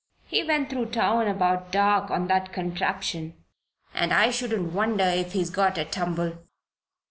He went through town about dark on that contraption, and I shouldn't wonder if he's got a tumble."